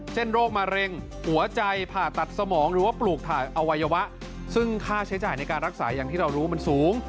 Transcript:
โรคมะเร็งหัวใจผ่าตัดสมองหรือว่าปลูกถ่ายอวัยวะซึ่งค่าใช้จ่ายในการรักษาอย่างที่เรารู้มันสูง